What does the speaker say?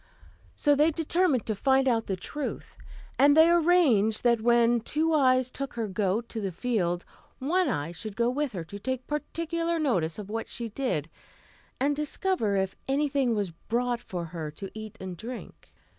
So they determined to find out the truth, and they arranged that when Two Eyes took her goat to the field, One Eye should go with her to take particular notice of what she did, and discover if anything was brought for her to eat and drink.